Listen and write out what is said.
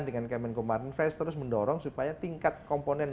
dengan kemenkomar invest terus mendorong supaya tingkat komponen